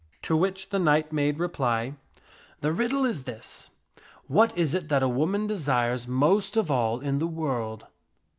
To which the knight made reply, " The rid dle is this : What is it that a woman desires most of all in the world